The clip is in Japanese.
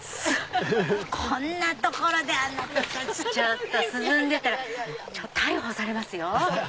こんな所であなたたち涼んでたら逮捕されますよ。